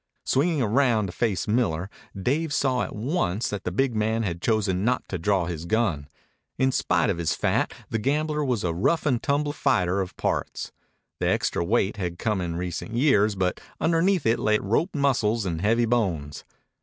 Swinging round to face Miller, Dave saw at once that the big man had chosen not to draw his gun. In spite of his fat the gambler was a rough and tumble fighter of parts. The extra weight had come in recent years, but underneath it lay roped muscles and heavy bones.